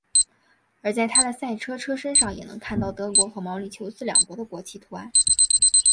而在他的赛车车身上也能看到德国和毛里求斯两国的国旗图案。